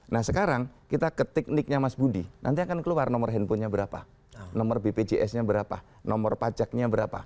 nah sekarang kita ketik niknya mas budi nanti akan keluar nomor handphonenya berapa nomor bpjs nya berapa nomor pajaknya berapa